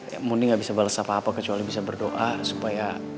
ya munding nggak bisa bales apa apa kecuali bisa berdoa supaya